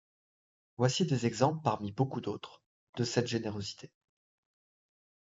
Voici des exemples parmi beaucoup d'autres de cette générosité.